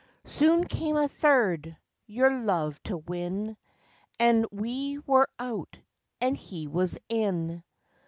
Soon came a third, your love to win, And we were out and he was in.